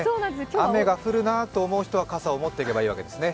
雨が降るなあっていう人は傘を持っていけばいいんですね。